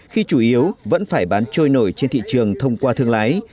khi chủ yếu vẫn phải bán trôi nổi trên thị trường thông qua thương lái